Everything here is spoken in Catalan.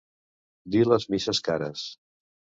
Dir les misses cares.